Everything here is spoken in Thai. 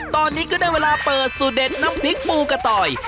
ตอนนี้ก็ได้เวลาเปิดสูตรเด็ดน้ำพริกปูกระต่อย